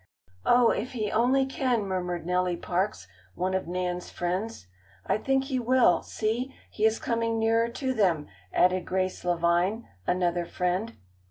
"Oh, if he only can!" murmured Nellie Parks, one of Nan's friends. "I think he will! See, he is coming nearer to them," added Grace Lavine, another friend.